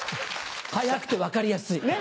早くて分かりやすい！